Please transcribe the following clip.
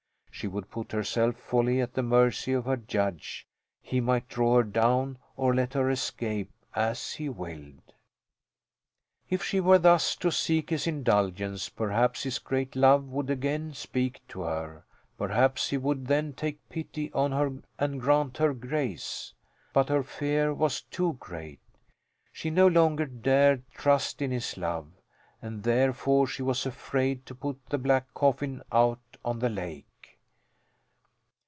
She would put herself wholly at the mercy of her judge; he might draw her down or let her escape as he willed. If she were thus to seek his indulgence perhaps his great love would again speak to her; perhaps he would then take pity on her and grant her grace. But her fear was too great. She no longer dared trust in his love, and therefore she was afraid to put the black coffin out on the lake.